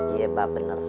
iya mbak bener